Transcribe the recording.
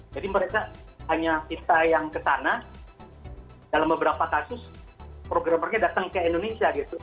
jadi mereka hanya kita yang ke sana dalam beberapa kasus programmernya datang ke indonesia gitu